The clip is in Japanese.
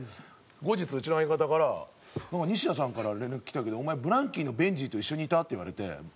後日うちの相方から「なんか西田さんから連絡来たけどお前ＢＬＡＮＫＥＹのベンジーと一緒にいた？」って言われて。